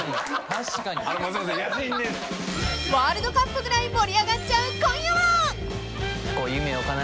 ［ワールドカップぐらい盛り上がっちゃう今夜は］